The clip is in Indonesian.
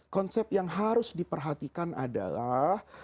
konsep yang harus diperhatikan adalah